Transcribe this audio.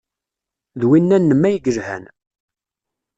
D winna-nnem ay yelhan.